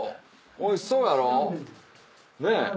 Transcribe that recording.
おいしそうやろ。ねぇ。